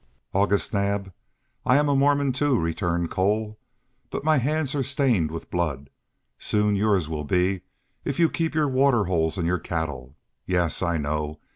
"August Naab, I am a Mormon too," returned Cole, "but my hands are stained with blood. Soon yours will be if you keep your water holes and your cattle. Yes, I know.